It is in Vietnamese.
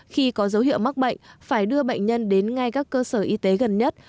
khi có dấu hiệu mắc bệnh phải đưa bệnh nhân đến ngay các cơ sở y tế gần nhất